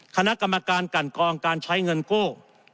คณะกรรมการกันกองการใช้เงินกู้